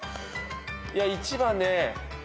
いや１番ね。